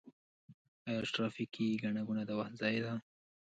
آیا ټرافیکي ګڼه ګوڼه د وخت ضایع ده؟